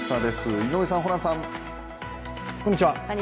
井上さん、ホランさん。